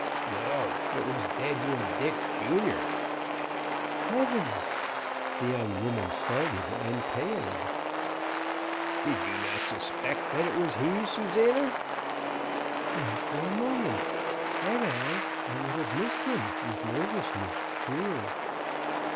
"No, it was Deadwood Dick, Junior." "Heavens!" The young woman started and paled. "Did you not suspect that it was he, Susana?" "Not for a moment. Had I, I would have missed him with nervousness, sure."